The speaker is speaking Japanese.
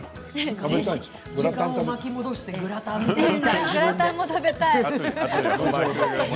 時間を巻き戻してグラタンも食べたい。